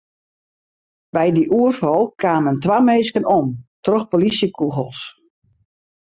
By dy oerfal kamen twa minsken om troch plysjekûgels.